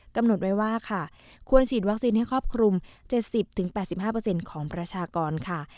กำหนดไว้ว่าค่ะควรฉีดวัคซีนให้ครอบคลุม๗๐๘๕ของประชากรค่ะ